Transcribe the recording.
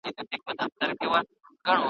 موري خوږېږم سرتر نوکه د پرون له خوارۍ ,